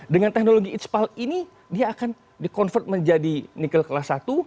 dengan teknologi ⁇ itspal ini dia akan di convert menjadi nikel kelas satu